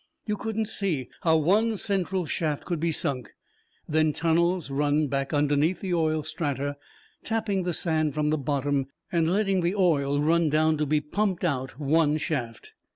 You couldn't see how one central shaft could be sunk, then tunnels run back underneath the oil strata, tapping the sand from the bottom and letting the oil run down to be pumped out one shaft.